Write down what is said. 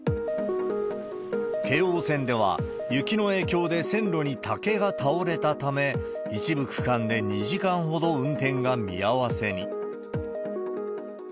京王線では、雪の影響で線路に竹が倒れたため、一部区間で２時間ほど運転が見合わせに。